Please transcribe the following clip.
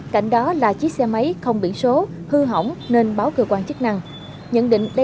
cảnh đó là chiếc xe máy không biển số hư hỏng nên báo cơ quan chức năng